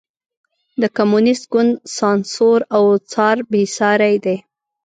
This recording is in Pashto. د کمونېست ګوند سانسور او څار بېساری دی.